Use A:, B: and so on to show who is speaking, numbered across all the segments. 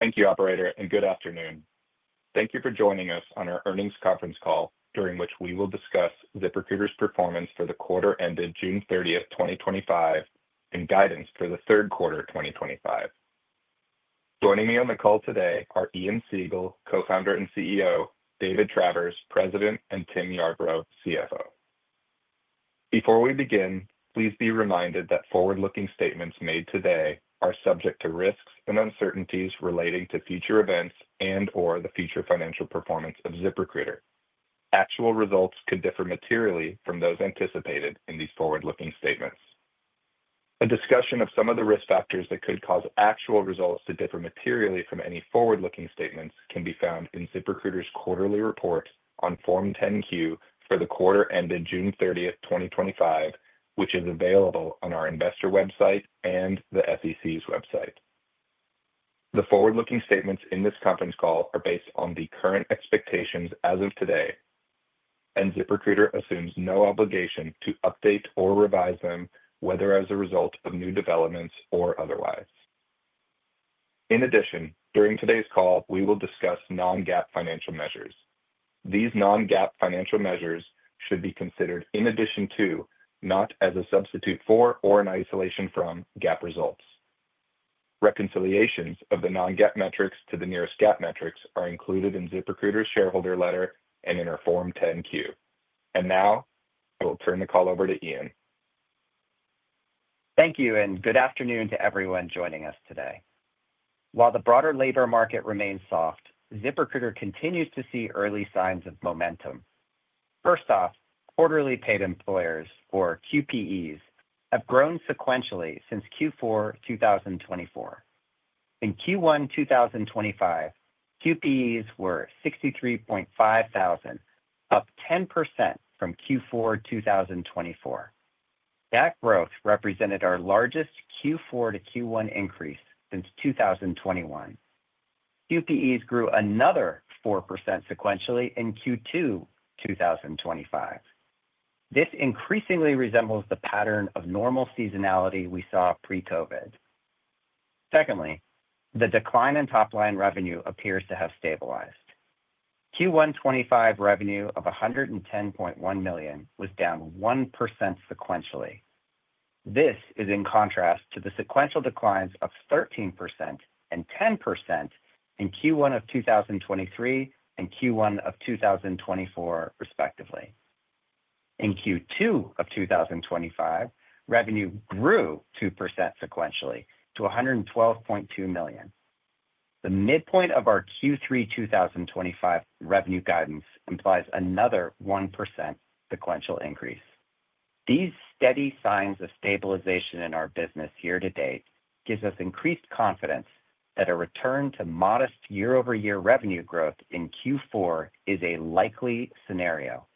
A: Thank you, operator, and good afternoon. Thank you for joining us on our earnings conference call, during which we will discuss ZipRecruiter's performance for the quarter ended June 30th, 2025, and guidance for the third quarter 2025. Joining me on the call today are Ian Siegel, Co-Founder and CEO, David Travers, President, and Tim Yarbrough, CFO. Before we begin, please be reminded that forward-looking statements made today are subject to risks and uncertainties relating to future events and/or the future financial performance of ZipRecruiter. Actual results could differ materially from those anticipated in these forward-looking statements. A discussion of some of the risk factors that could cause actual results to differ materially from any forward-looking statements can be found in ZipRecruiter's quarterly report on Form 10-Q for the quarter ended June 30th, 2025, which is available on our investor website and the SEC's website. The forward-looking statements in this conference call are based on the current expectations as of today, and ZipRecruiter assumes no obligation to update or revise them, whether as a result of new developments or otherwise. In addition, during today's call, we will discuss non-GAAP financial measures. These non-GAAP financial measures should be considered in addition to, not as a substitute for, or in isolation from, GAAP results. Reconciliations of the non-GAAP metrics to the nearest GAAP metrics are included in ZipRecruiter's shareholder letter and in our Form 10-Q. I will turn the call over to Ian.
B: Thank you, and good afternoon to everyone joining us today. While the broader labor market remains soft, ZipRecruiter continues to see early signs of momentum. First off, quarterly paid employers, or QPEs, have grown sequentially since Q4 2024. In Q1 2025, QPEs were 63,500, up 10% from Q4 2024. That growth represented our largest Q4-to-Q1 increase since 2021. QPEs grew another 4% sequentially in Q2 2025. This increasingly resembles the pattern of normal seasonality we saw pre-COVID. Secondly, the decline in top-line revenue appears to have stabilized. Q1 2025 revenue of $110.1 million was down 1% sequentially. This is in contrast to the sequential declines of 13% and 10% in Q1 of 2023 and Q1 of 2024, respectively. In Q2 of 2025, revenue grew 2% sequentially to $112.2 million. The midpoint of our Q3 2025 revenue guidance implies another 1% sequential increase. These steady signs of stabilization in our business year to date give us increased confidence that a return to modest year-over-year revenue growth in Q4 is a likely scenario.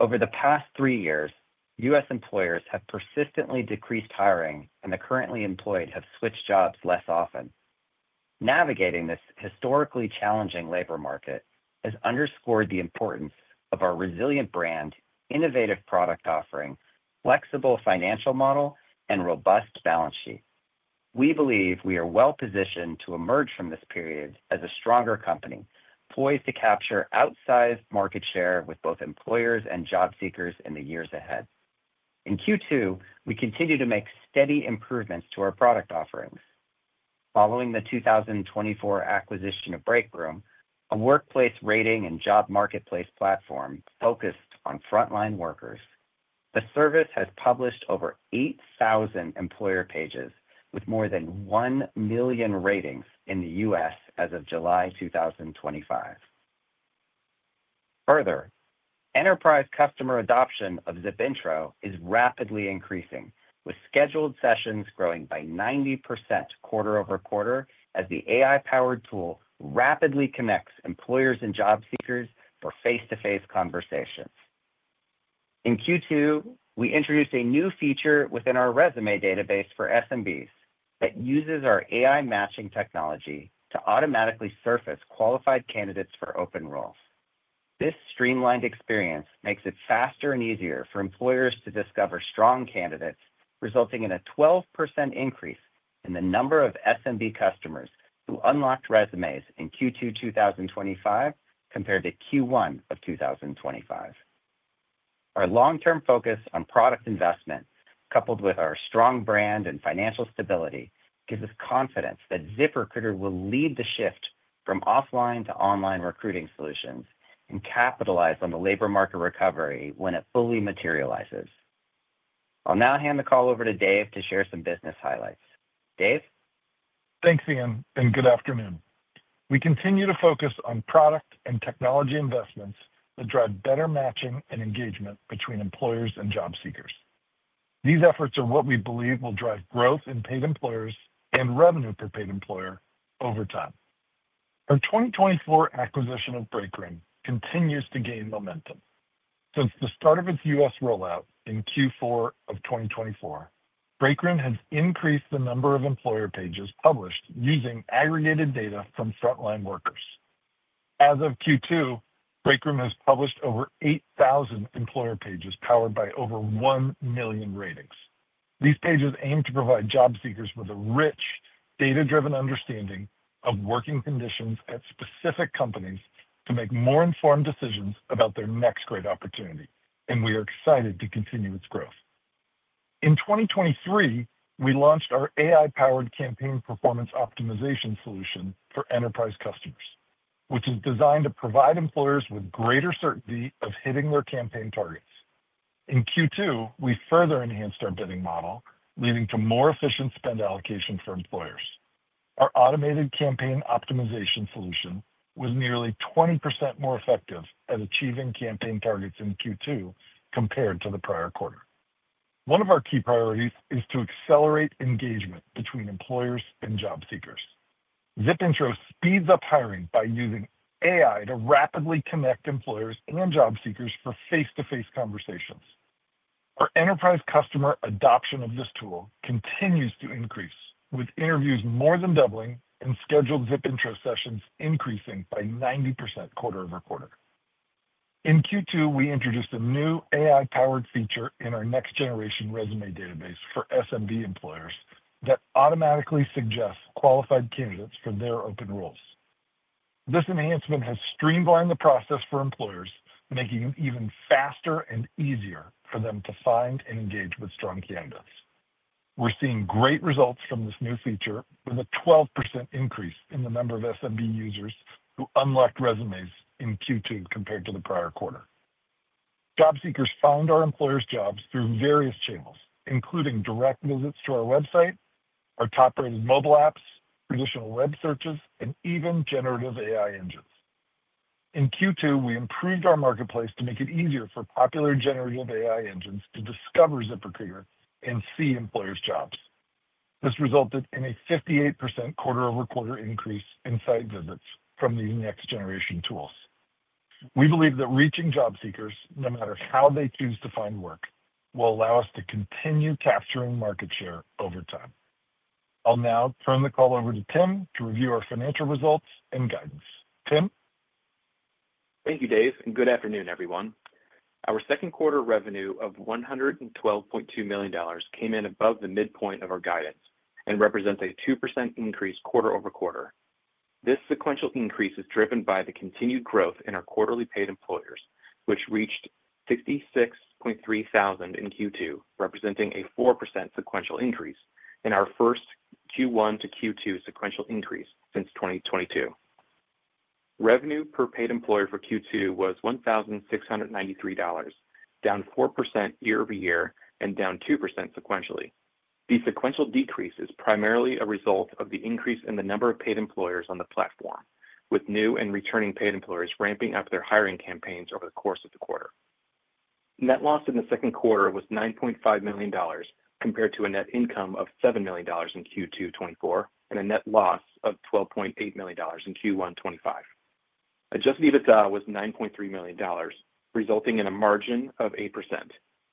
B: Over the past three years, U.S. employers have persistently decreased hiring, and the currently employed have switched jobs less often. Navigating this historically challenging labor market has underscored the importance of our resilient brand, innovative product offering, flexible financial model, and robust balance sheet. We believe we are well positioned to emerge from this period as a stronger company, poised to capture outsized market share with both employers and job seekers in the years ahead. In Q2, we continue to make steady improvements to our product offerings. Following the 2024 acquisition of Breakroom, a workplace rating and job marketplace platform focused on front-line workers, the service has published over 8,000 employer pages with more than 1 million ratings in the U.S. as of July 2025. Further, enterprise customer adoption of ZipIntro is rapidly increasing, with scheduled sessions growing by 90% quarter over quarter as the AI-powered tool rapidly connects employers and job seekers for face-to-face conversations. In Q2, we introduced a new feature within our resume database for SMBs that uses our AI matching technology to automatically surface qualified candidates for open roles. This streamlined experience makes it faster and easier for employers to discover strong candidates, resulting in a 12% increase in the number of SMB customers who unlocked resumes in Q2 2025 compared to Q1 of 2025. Our long-term focus on product investment, coupled with our strong brand and financial stability, gives us confidence that ZipRecruiter will lead the shift from offline to online recruiting solutions and capitalize on the labor market recovery when it fully materializes. I'll now hand the call over to Dave to share some business highlights. Dave?
C: Thanks, Ian, and good afternoon. We continue to focus on product and technology investments that drive better matching and engagement between employers and job seekers. These efforts are what we believe will drive growth in paid employers and revenue per paid employer over time. Our 2024 acquisition of Breakroom continues to gain momentum. Since the start of its U.S. rollout in Q4 of 2024, Breakroom has increased the number of employer pages published using aggregated data from front-line workers. As of Q2, Breakroom has published over 8,000 employer pages powered by over 1 million ratings. These pages aim to provide job seekers with a rich, data-driven understanding of working conditions at specific companies to make more informed decisions about their next great opportunity, and we are excited to continue its growth. In 2023, we launched our AI-powered campaign performance optimization solution for enterprise customers, which is designed to provide employers with greater certainty of hitting their campaign targets. In Q2, we further enhanced our bidding model, leading to more efficient spend allocation for employers. Our automated campaign optimization solution was nearly 20% more effective at achieving campaign targets in Q2 compared to the prior quarter. One of our key priorities is to accelerate engagement between employers and job seekers. ZipIntro speeds up hiring by using AI to rapidly connect employers and job seekers for face-to-face conversations. Our enterprise customer adoption of this tool continues to increase, with interviews more than doubling and scheduled ZipIntro sessions increasing by 90% quarter over quarter. In Q2, we introduced a new AI-powered feature in our next-generation resume database for SMB employers that automatically suggests qualified candidates for their open roles. This enhancement has streamlined the process for employers, making it even faster and easier for them to find and engage with strong candidates. We're seeing great results from this new feature, with a 12% increase in the number of SMB users who unlocked resumes in Q2 compared to the prior quarter. Job seekers found our employers' jobs through various channels, including direct visits to our website, our top-rated mobile apps, traditional web searches, and even generative AI engines. In Q2, we improved our marketplace to make it easier for popular generative AI engines to discover ZipRecruiter and see employers' jobs. This resulted in a 58% quarter over quarter increase in site visits from these next-generation tools. We believe that reaching job seekers, no matter how they choose to find work, will allow us to continue capturing market share over time. I'll now turn the call over to Tim to review our financial results and guidance. Tim?
D: Thank you, Dave, and good afternoon, everyone. Our second quarter revenue of $112.2 million came in above the midpoint of our guidance and represents a 2% increase quarter over quarter. This sequential increase is driven by the continued growth in our quarterly paid employers, which reached 66,300 in Q2, representing a 4% sequential increase in our first Q1-to-Q2 sequential increase since 2022. Revenue per paid employer for Q2 was $1,693, down 4% year-over-year and down 2% sequentially. The sequential decrease is primarily a result of the increase in the number of paid employers on the platform, with new and returning paid employers ramping up their hiring campaigns over the course of the quarter. Net loss in the second quarter was $9.5 million compared to a net income of $7 million in Q2 2024 and a net loss of $12.8 million in Q1 2025. Adjusted EBITDA was $9.3 million, resulting in a margin of 8%.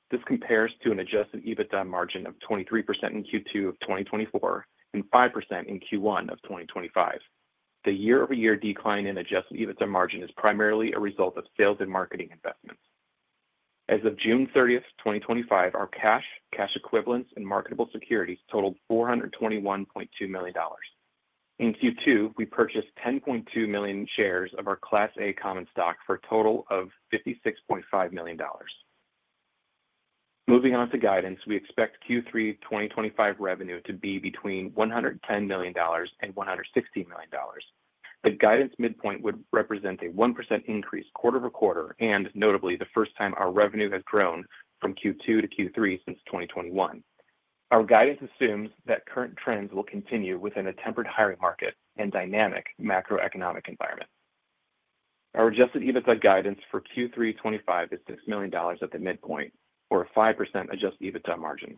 D: This compares to an adjusted EBITDA margin of 23% in Q2 of 2024 and 5% in Q1 of 2025. The year-over-year decline in adjusted EBITDA margin is primarily a result of sales and marketing investments. As of June 30th, 2025, our cash, cash equivalents, and marketable securities totaled $421.2 million. In Q2, we purchased 10.2 million shares of our Class A common stock for a total of $56.5 million. Moving on to guidance, we expect Q3 2025 revenue to be between $110 million and $160 million. The guidance midpoint would represent a 1% increase quarter over quarter and, notably, the first time our revenue has grown from Q2 to Q3 since 2021. Our guidance assumes that current trends will continue within a tempered hiring market and dynamic macroeconomic environment. Our adjusted EBITDA guidance for Q3 2025 is $6 million at the midpoint, or a 5% adjusted EBITDA margin.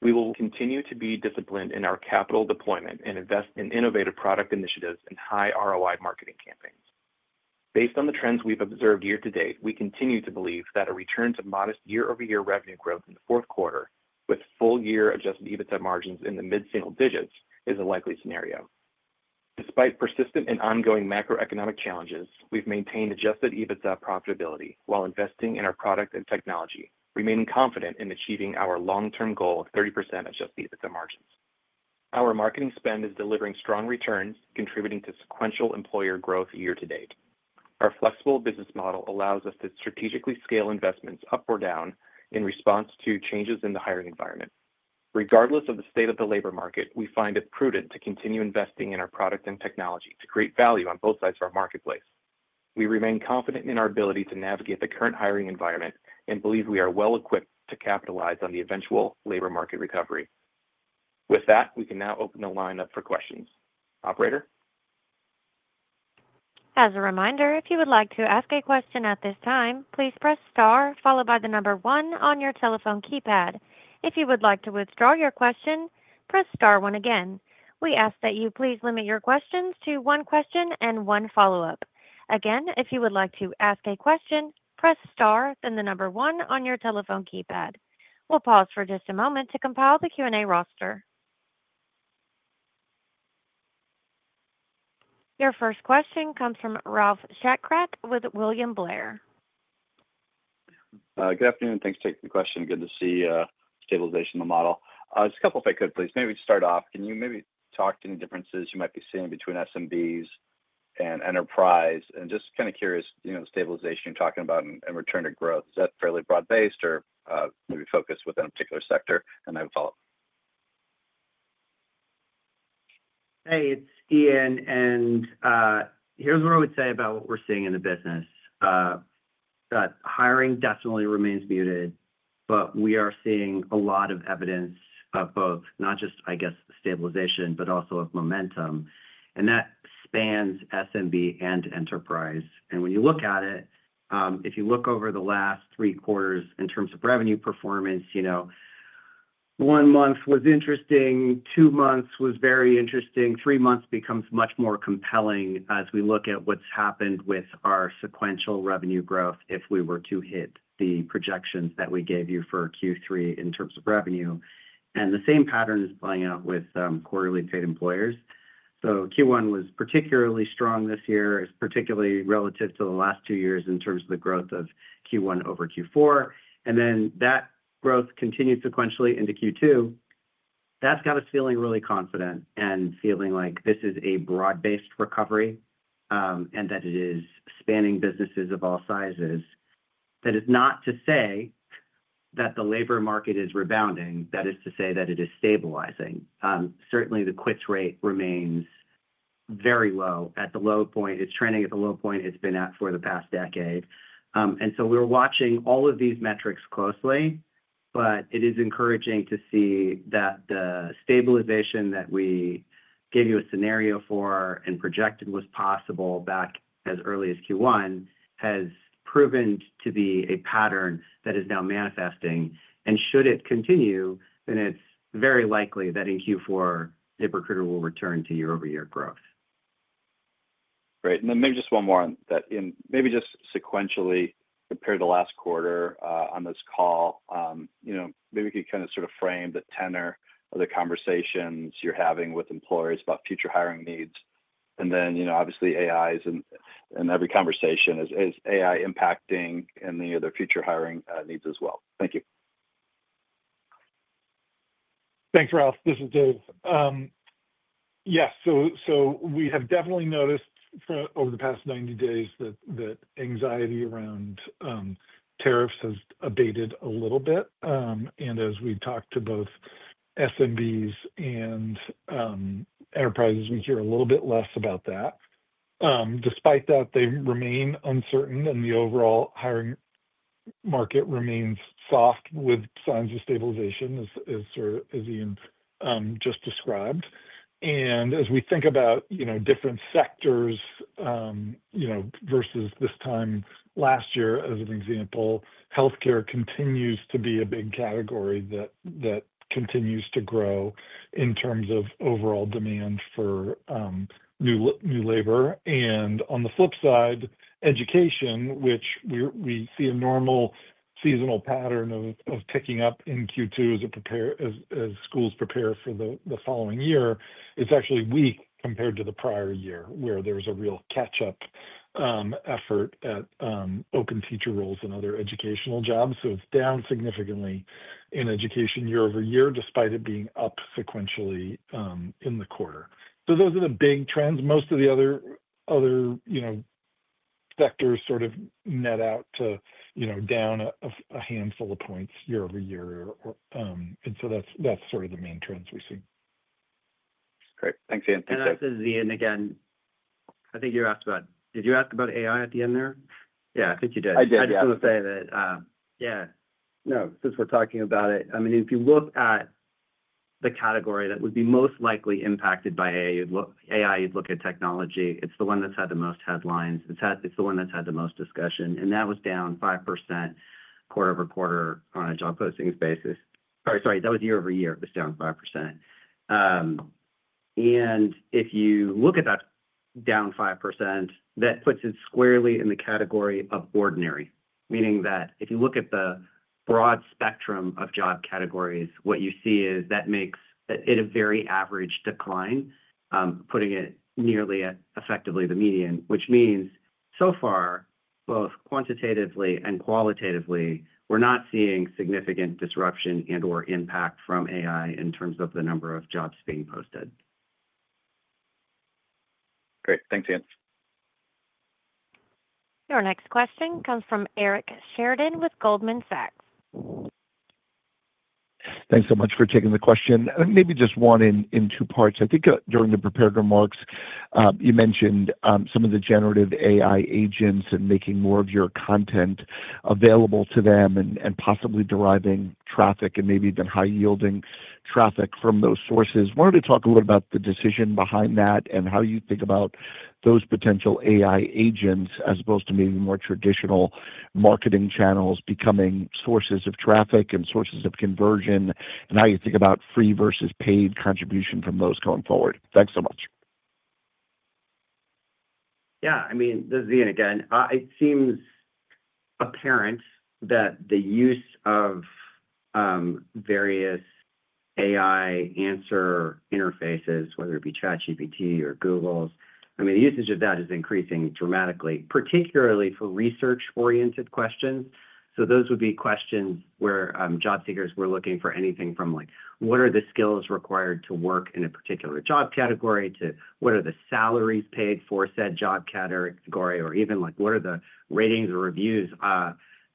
D: We will continue to be disciplined in our capital deployment and invest in innovative product initiatives and high ROI marketing campaigns. Based on the trends we've observed year to date, we continue to believe that a return to modest year-over-year revenue growth in the fourth quarter, with full-year adjusted EBITDA margins in the mid-single digits, is a likely scenario. Despite persistent and ongoing macroeconomic challenges, we've maintained adjusted EBITDA profitability while investing in our product and technology, remaining confident in achieving our long-term goal of 30% adjusted EBITDA margins. Our marketing spend is delivering strong returns, contributing to sequential employer growth year to date. Our flexible business model allows us to strategically scale investments up or down in response to changes in the hiring environment. Regardless of the state of the labor market, we find it prudent to continue investing in our product and technology to create value on both sides of our marketplace. We remain confident in our ability to navigate the current hiring environment and believe we are well equipped to capitalize on the eventual labor market recovery. With that, we can now open the line up for questions. Operator?
E: As a reminder, if you would like to ask a question at this time, please press star followed by the number one on your telephone keypad. If you would like to withdraw your question, press star one again. We ask that you please limit your questions to one question and one follow-up. Again, if you would like to ask a question, press star and the number one on your telephone keypad. We'll pause for just a moment to compile the Q&A roster. Your first question comes from Ralph Schackart with William Blair.
F: Good afternoon. Thanks for taking the question. Good to see stabilization in the model. Just a couple if I could, please. Maybe to start off, can you talk to any differences you might be seeing between SMBs and enterprise? I am just kind of curious, the stabilization you're talking about and return to growth, is that fairly broad-based or focused within a particular sector? I would follow up.
B: Hey, it's Ian, and here's what I would say about what we're seeing in the business. Hiring definitely remains muted, but we are seeing a lot of evidence of both, not just, I guess, stabilization, but also of momentum. That spans SMB and enterprise. When you look at it, if you look over the last three quarters in terms of revenue performance, one month was interesting, two months was very interesting, three months becomes much more compelling as we look at what's happened with our sequential revenue growth if we were to hit the projections that we gave you for Q3 in terms of revenue. The same pattern is playing out with quarterly paid employers. Q1 was particularly strong this year, particularly relative to the last two years in terms of the growth of Q1 over Q4. That growth continued sequentially into Q2. That's got us feeling really confident and feeling like this is a broad-based recovery and that it is spanning businesses of all sizes. That is not to say that the labor market is rebounding. That is to say that it is stabilizing. Certainly, the quits rate remains very low at the low point. It's trending at the low point it's been at for the past decade. We're watching all of these metrics closely, but it is encouraging to see that the stabilization that we gave you a scenario for and projected was possible back as early as Q1 has proven to be a pattern that is now manifesting. Should it continue, then it's very likely that in Q4 ZipRecruiter will return to year-over-year growth.
F: Right. Maybe just one more on that. Maybe just sequentially compare the last quarter on this call. You know, maybe we can kind of sort of frame the tenor of the conversations you're having with employers about future hiring needs. You know, obviously AI is in every conversation. Is AI impacting any of their future hiring needs as well? Thank you.
C: Thanks, Ralph. This is Dave. Yes, we have definitely noticed over the past 90 days that anxiety around tariffs has abated a little bit. As we talk to both SMBs and enterprises, we hear a little bit less about that. Despite that, they remain uncertain and the overall hiring market remains soft with signs of stabilization, as Ian just described. As we think about different sectors, versus this time last year as an example, healthcare continues to be a big category that continues to grow in terms of overall demand for new labor. On the flip side, education, which we see a normal seasonal pattern of picking up in Q2 as schools prepare for the following year, is actually weak compared to the prior year where there was a real catch-up effort at open teacher roles and other educational jobs. It is down significantly in education year over year, despite it being up sequentially in the quarter. Those are the big trends. Most of the other sectors sort of net out to down a handful of points year over year. That is the main trends we see.
F: Great. Thanks, Ian.
B: This is Ian again. I think you asked about, did you ask about AI at the end there? I think you did.
F: I did.
B: I just want to say that, yeah. No, since we're talking about it, I mean, if you look at the category that would be most likely impacted by AI, you'd look at technology. It's the one that's had the most headlines. It's the one that's had the most discussion. That was down 5% quarter-over-quarter on a job postings basis. Sorry, that was year-over-year. It was down 5%. If you look at that down 5%, that puts it squarely in the category of ordinary, meaning that if you look at the broad spectrum of job categories, what you see is that makes it a very average decline, putting it nearly effectively the median, which means so far, both quantitatively and qualitatively, we're not seeing significant disruption and/or impact from AI in terms of the number of jobs being posted.
F: Great. Thanks, Ian.
E: Our next question comes from Eric Sheridan with Goldman Sachs.
G: Thanks so much for taking the question. I think maybe just one in two parts. I think during the prepared remarks, you mentioned some of the generative AI engines and making more of your content available to them and possibly deriving traffic and maybe even high-yielding traffic from those sources. I wanted to talk a little bit about the decision behind that and how you think about those potential AI engines as opposed to maybe more traditional marketing channels becoming sources of traffic and sources of conversion, and how you think about free versus paid contribution from those going forward. Thanks so much.
B: Yeah, I mean, this is Ian again. It seems apparent that the use of various AI answer interfaces, whether it be ChatGPT or Google's, the usage of that is increasing dramatically, particularly for research-oriented questions. Those would be questions where job seekers were looking for anything from like, what are the skills required to work in a particular job category to what are the salaries paid for said job category or even like what are the ratings or reviews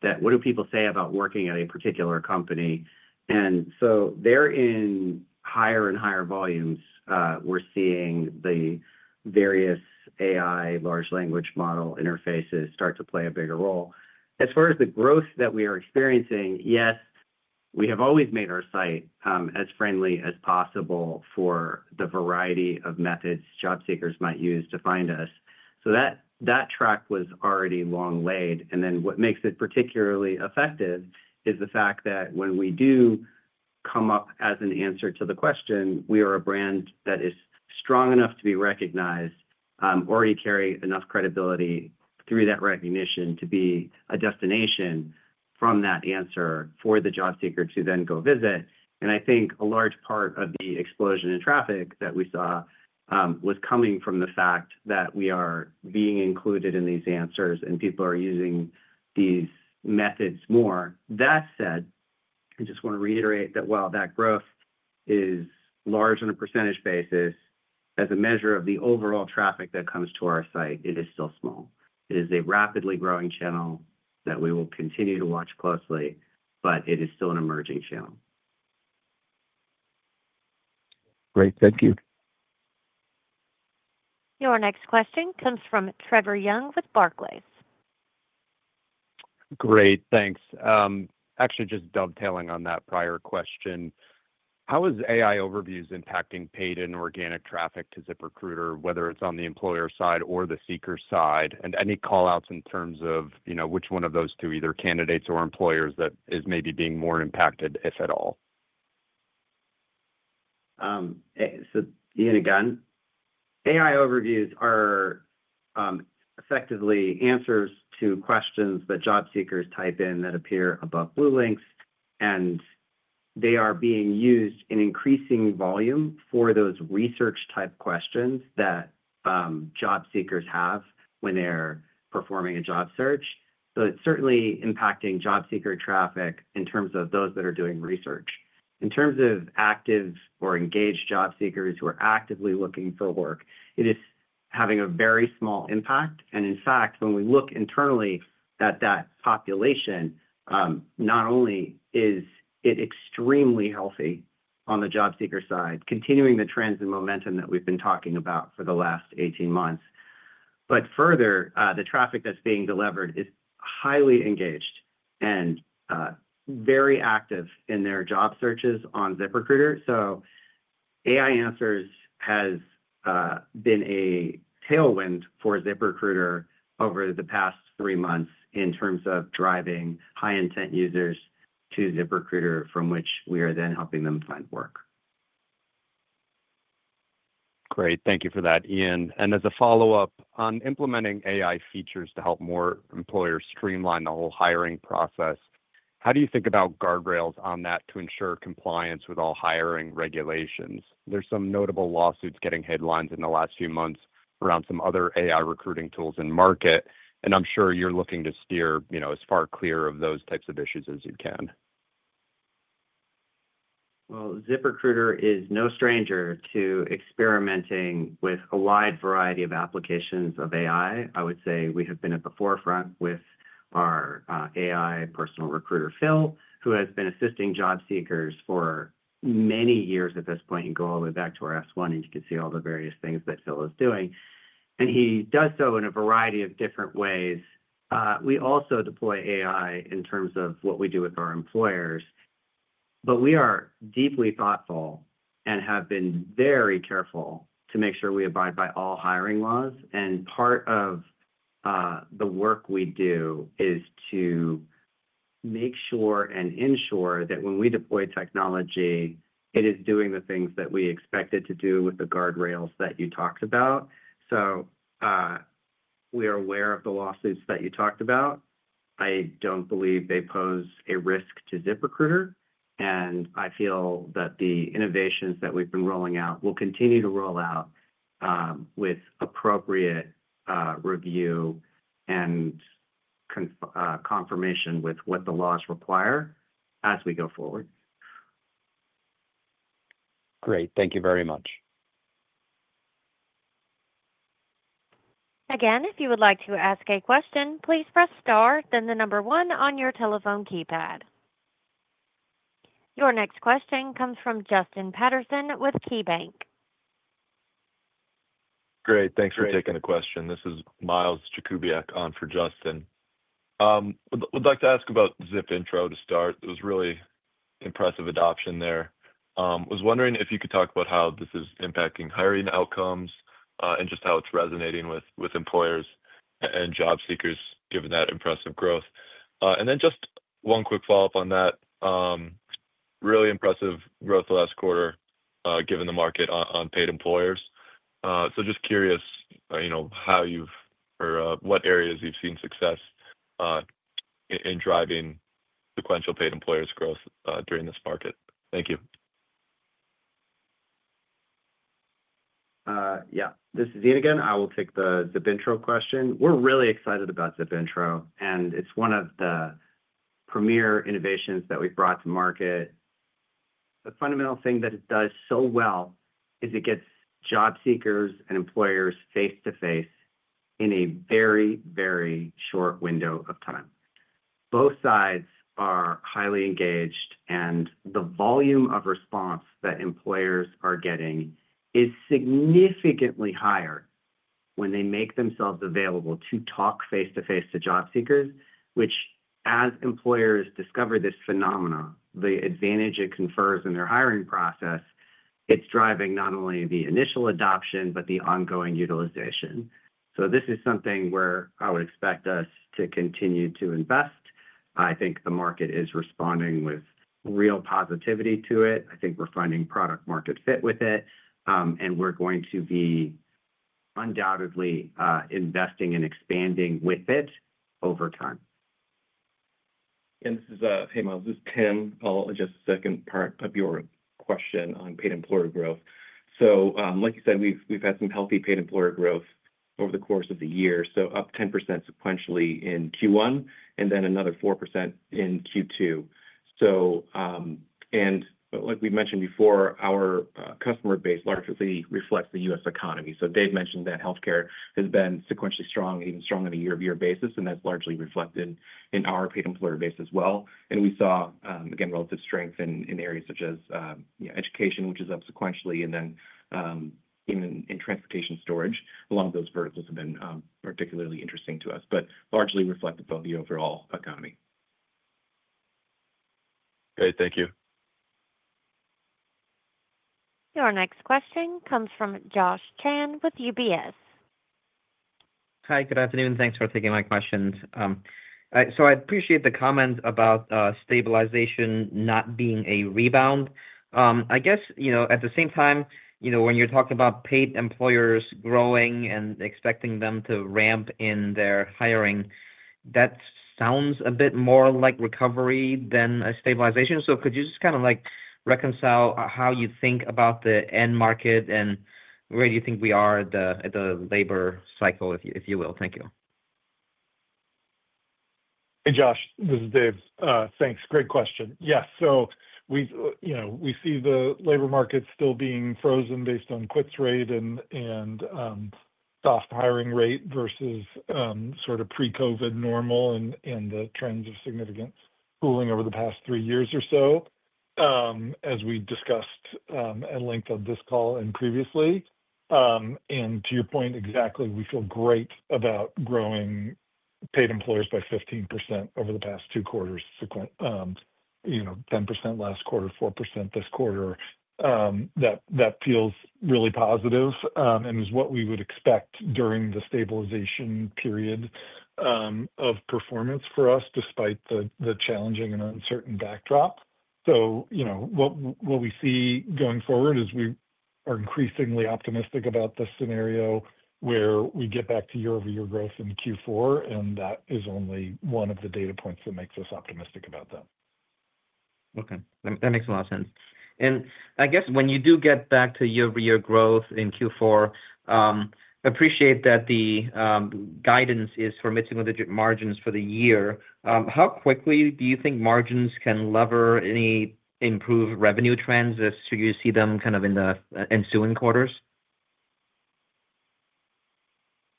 B: that what do people say about working at a particular company. They're in higher and higher volumes. We're seeing the various AI large language model interfaces start to play a bigger role. As far as the growth that we are experiencing, yes, we have always made our site as friendly as possible for the variety of methods job seekers might use to find us. That track was already long laid. What makes it particularly effective is the fact that when we do come up as an answer to the question, we are a brand that is strong enough to be recognized or we carry enough credibility through that recognition to be a destination from that answer for the job seeker to then go visit. I think a large part of the explosion in traffic that we saw was coming from the fact that we are being included in these answers and people are using these methods more. That said, I just want to reiterate that while that growth is large on a percentage basis, as a measure of the overall traffic that comes to our site, it is still small. It is a rapidly growing channel that we will continue to watch closely, but it is still an emerging channel.
G: Great, thank you.
E: Our next question comes from Trevor Young with Barclays.
H: Great, thanks. Actually, just dovetailing on that prior question. How is AI overviews impacting paid and organic traffic to ZipRecruiter, whether it's on the employer side or the seeker side, and any callouts in terms of, you know, which one of those two, either candidates or employers, that is maybe being more impacted, if at all?
B: Ian again, AI overviews are effectively answers to questions that job seekers type in that appear above blue links, and they are being used in increasing volume for those research-type questions that job seekers have when they're performing a job search. It is certainly impacting job seeker traffic in terms of those that are doing research. In terms of active or engaged job seekers who are actively looking for work, it is having a very small impact. In fact, when we look internally at that population, not only is it extremely healthy on the job seeker side, continuing the trends and momentum that we've been talking about for the last 18 months, but further, the traffic that's being delivered is highly engaged and very active in their job searches on ZipRecruiter. AI answers have been a tailwind for ZipRecruiter over the past three months in terms of driving high-intent users to ZipRecruiter from which we are then helping them find work.
H: Great, thank you for that, Ian. As a follow-up, on implementing AI features to help more employers streamline the whole hiring process, how do you think about guardrails on that to ensure compliance with all hiring regulations? There are some notable lawsuits getting headlines in the last few months around some other AI recruiting tools in market, and I'm sure you're looking to steer as far clear of those types of issues as you can.
B: ZipRecruiter is no stranger to experimenting with a wide variety of applications of AI. I would say we have been at the forefront with our AI personal recruiter, Phil, who has been assisting job seekers for many years at this point and go all the way back to our S-1, and you can see all the various things that Phil is doing. He does so in a variety of different ways. We also deploy AI in terms of what we do with our employers. We are deeply thoughtful and have been very careful to make sure we abide by all hiring laws. Part of the work we do is to make sure and ensure that when we deploy technology, it is doing the things that we expect it to do with the guardrails that you talked about. We are aware of the lawsuits that you talked about. I don't believe they pose a risk to ZipRecruiter. I feel that the innovations that we've been rolling out will continue to roll out with appropriate review and confirmation with what the laws require as we go forward.
H: Great, thank you very much.
E: Again, if you would like to ask a question, please press star, then the number one on your telephone keypad. Your next question comes from Justin Patterson with KeyBanc.
I: Great, thanks for taking the question. This is Miles Jakubiak on for Justin. We'd like to ask about ZipIntro to start. It was really impressive adoption there. I was wondering if you could talk about how this is impacting hiring outcomes and just how it's resonating with employers and job seekers, given that impressive growth. Just one quick follow-up on that. Really impressive growth last quarter, given the market on paid employers. Just curious, you know, how you've, or what areas you've seen success in driving sequential paid employers' growth during this market. Thank you.
B: Yeah, this is Ian again. I will take the ZipIntro question. We're really excited about ZipIntro, and it's one of the premier innovations that we've brought to market. The fundamental thing that it does so well is it gets job seekers and employers face to face in a very, very short window of time. Both sides are highly engaged, and the volume of response that employers are getting is significantly higher when they make themselves available to talk face to face to job seekers, which, as employers discover this phenomenon, the advantage it confers in their hiring process, it's driving not only the initial adoption, but the ongoing utilization. This is something where I would expect us to continue to invest. I think the market is responding with real positivity to it. I think we're finding product-market fit with it, and we're going to be undoubtedly investing and expanding with it over time.
D: Hey Miles, this is Tim. I'll address the second part of your question on paid employer growth. Like you said, we've had some healthy paid employer growth over the course of the year, up 10% sequentially in Q1, and then another 4% in Q2. Like we mentioned before, our customer base largely reflects the U.S. economy. Dave mentioned that healthcare has been sequentially strong, even strong on a year-over-year basis, and that's largely reflected in our paid employer base as well. We saw, again, relative strength in areas such as education, which is up sequentially, and even in transportation storage. A lot of those verticals have been particularly interesting to us, but largely reflected by the overall economy.
I: Great, thank you.
E: Our next question comes from Josh Chan with UBS.
J: Hi, good afternoon. Thanks for taking my questions. I appreciate the comments about stabilization not being a rebound. At the same time, when you're talking about paid employers growing and expecting them to ramp in their hiring, that sounds a bit more like recovery than a stabilization. Could you just kind of reconcile how you think about the end market and where you think we are at the labor cycle, if you will? Thank you.
C: Hey Josh, this is Dave. Thanks. Great question. Yes, we see the labor market still being frozen based on quits rate and soft hiring rate versus sort of pre-COVID normal and the trends of significant cooling over the past three years or so, as we discussed at length on this call and previously. To your point exactly, we feel great about growing paid employers by 15% over the past two quarters, 10% last quarter, 4% this quarter. That feels really positive and is what we would expect during the stabilization period of performance for us, despite the challenging and uncertain backdrop. We see going forward we are increasingly optimistic about the scenario where we get back to year-over-year growth in Q4, and that is only one of the data points that makes us optimistic about that.
J: Okay, that makes a lot of sense. I guess when you do get back to year-over-year growth in Q4, I appreciate that the guidance is for mixing the margins for the year. How quickly do you think margins can lever any improved revenue trends? Do you see them kind of in the ensuing quarters?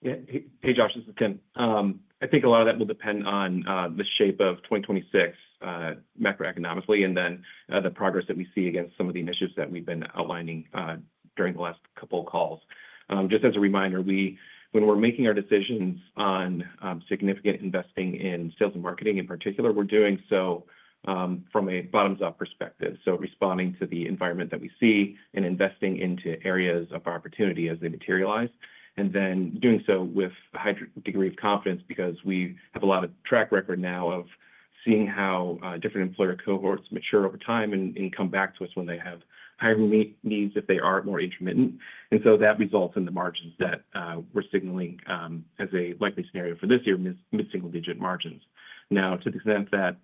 D: Yeah, hey Josh, this is Tim. I think a lot of that will depend on the shape of 2026 macroeconomically and then the progress that we see against some of the initiatives that we've been aligning during the last couple of calls. Just as a reminder, when we're making our decisions on significant investing in sales and marketing in particular, we're doing so from a bottoms-up perspective, responding to the environment that we see and investing into areas of opportunity as they materialize, and then doing so with a high degree of confidence because we have a lot of track record now of seeing how different employer cohorts mature over time and come back to us when they have hiring needs that are more intermittent. That results in the margins that we're signaling as a likely scenario for this year, missing single-digit margins. To the extent that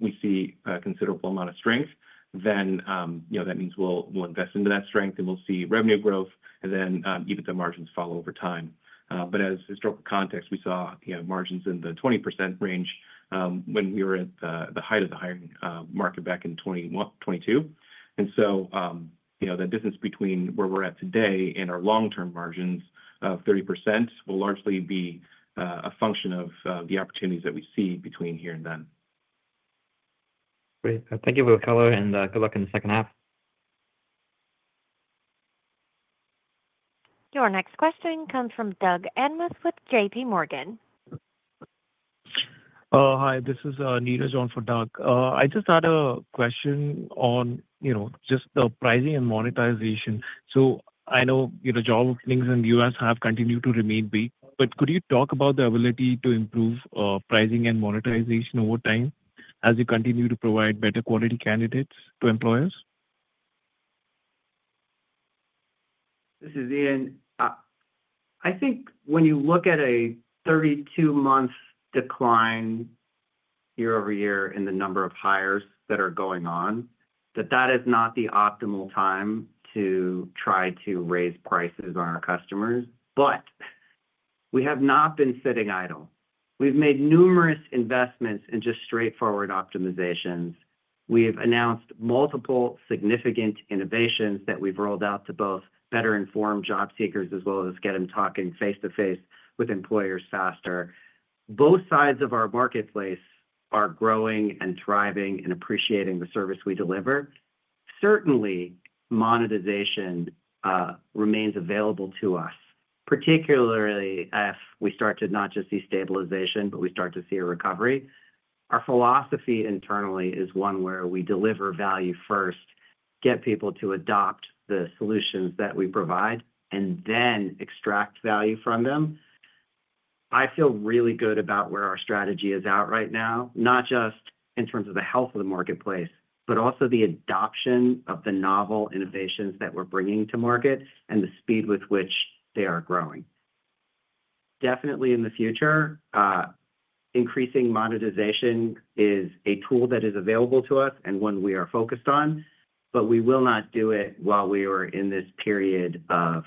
D: we see a considerable amount of strength, that means we'll invest into that strength and we'll see revenue growth and then even the margins fall over time. As historical context, we saw margins in the 20% range when we were at the height of the hiring market back in 2022. The distance between where we're at today and our long-term margins of 30% will largely be a function of the opportunities that we see between here and then.
J: Great, thank you for the color and good luck in the second half.
E: Your next question comes from Doug Anmuth with J.P. Morgan. Hi, this is [Anita] joining for Doug. I just had a question on the pricing and monetization. I know job openings in the U.S. have continued to remain big, but could you talk about the ability to improve pricing and monetization over time as you continue to provide better quality candidates to employers?
B: This is Ian. I think when you look at a 32-month decline year over year in the number of hires that are going on, that is not the optimal time to try to raise prices on our customers. We have not been sitting idle. We've made numerous investments in straightforward optimizations. We've announced multiple significant innovations that we've rolled out to both better inform job seekers as well as get them talking face to face with employers faster. Both sides of our marketplace are growing and thriving and appreciating the service we deliver. Certainly, monetization remains available to us, particularly if we start to not just see stabilization, but we start to see a recovery. Our philosophy internally is one where we deliver value first, get people to adopt the solutions that we provide, and then extract value from them. I feel really good about where our strategy is at right now, not just in terms of the health of the marketplace, but also the adoption of the novel innovations that we're bringing to market and the speed with which they are growing. Definitely in the future, increasing monetization is a tool that is available to us and one we are focused on, but we will not do it while we are in this period of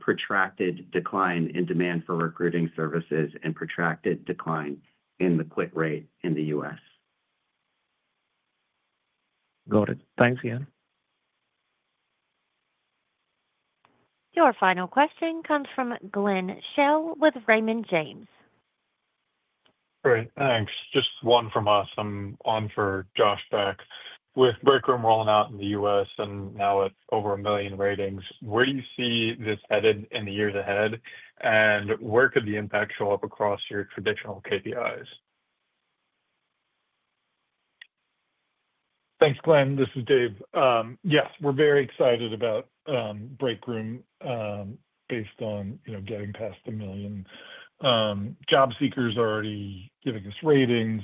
B: protracted decline in demand for recruiting services and protracted decline in the quit rate in the U.S. Got it. Thanks, Ian.
E: Your final question comes from Glenn Shell with Raymond James.
K: Great, thanks. Just one from us. I'm on for Josh Beck. With Breakroom rolling out in the U.S. and now at over a million ratings, where do you see this headed in the years ahead, and where could the impact show up across your traditional KPIs?
C: Thanks, Glenn. This is David. Yeah, we're very excited about Breakroom based on getting past a million. Job seekers are already giving us ratings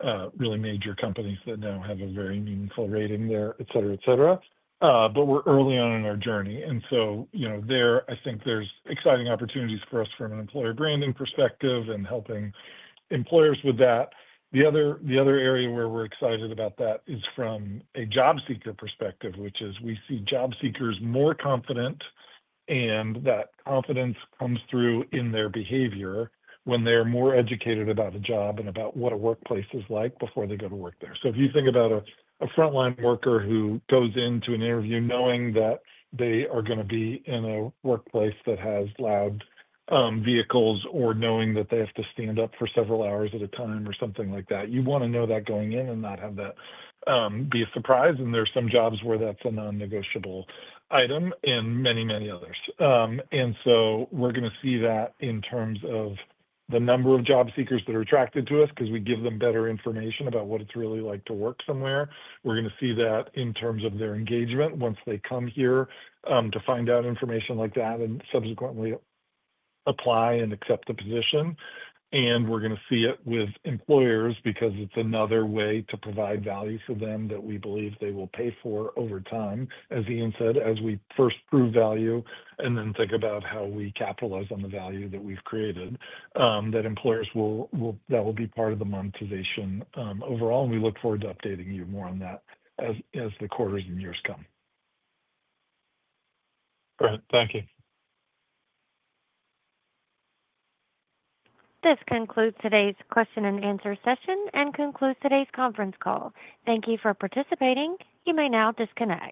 C: and the thousands of really major companies that now have a very meaningful rating there, etc., etc. We're early on in our journey. I think there's exciting opportunities for us from an employer branding perspective and helping employers with that. The other area where we're excited about that is from a job seeker perspective, which is we see job seekers more confident, and that confidence comes through in their behavior when they're more educated about a job and about what a workplace is like before they go to work there. If you think about a frontline worker who goes into an interview knowing that they are going to be in a workplace that has loud vehicles or knowing that they have to stand up for several hours at a time or something like that, you want to know that going in and not have that be a surprise. There are some jobs where that's a non-negotiable item and many, many others. We're going to see that in terms of the number of job seekers that are attracted to us because we give them better information about what it's really like to work somewhere. We're going to see that in terms of their engagement once they come here to find out information like that and subsequently apply and accept the position. We're going to see it with employers because it's another way to provide value to them that we believe they will pay for over time. As Ian said, as we first prove value and then think about how we capitalize on the value that we've created, that employers will, that will be part of the monetization overall. We look forward to updating you more on that as the quarters and years come. All right, thank you.
E: This concludes today's question and answer session and concludes today's conference call. Thank you for participating. You may now disconnect.